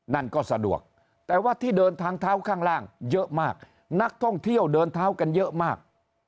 นั่นก็สะดวกแต่ว่าที่เดินทางเท้าข้างล่างเยอะมากนักท่องเที่ยวเดินเท้ากันเยอะมาก